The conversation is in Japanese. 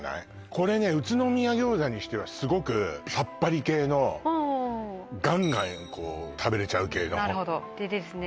これね宇都宮餃子にしてはすごくさっぱり系のガンガンこう食べれちゃう系のなるほどでですね